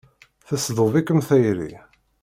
Tesdub-ikem tayri.